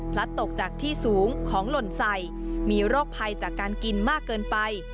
ตกจากที่สูงของหล่นใส่มีโรคภัยจากการกินมากเกินไป